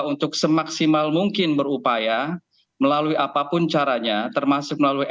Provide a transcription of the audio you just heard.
untuk semaksimal mungkin berupaya melalui apapun caranya termasuk melalui